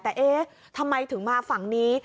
แต่เอ๊ะทำไมถึงมาฝั่งนี้